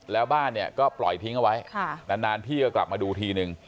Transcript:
แล้วบ้านเนี่ยก็ปล่อยทิ้งเอาไว้นานพี่ก็กลับมาดูทีนึง